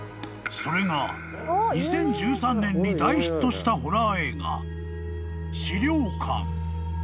［それが２０１３年に大ヒットしたホラー］